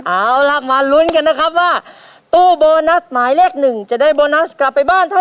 เอาล่ะมาลุ้นกันนะครับว่าตู้โบนัสหมายเลขหนึ่งจะได้โบนัสกลับไปบ้านเท่าไ